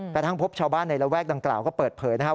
กระทั่งพบชาวบ้านในระแวกดังกล่าวก็เปิดเผยนะครับ